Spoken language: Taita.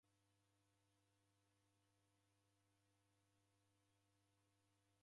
Oho ni mwana wa ani?